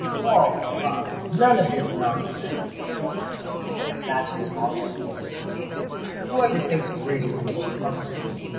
"Oh! come—none of this nonsense!" exclaimed Dunstable, snatching the volume from Egerton's hands. "Who ever thinks of reading before company?"